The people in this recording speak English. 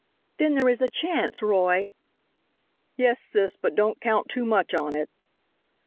"Then there is a chance, Roy!" "Yes, sis, but don't count too much on it."